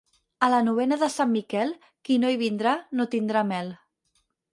A la novena de Sant Miquel, qui no hi vindrà, no tindrà mel.